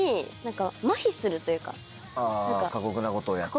あ過酷なことをやって。